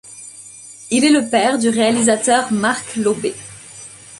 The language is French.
Il est le père du réalisateur Marc Lobet.